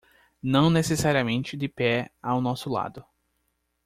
Não necessariamente de pé ao nosso lado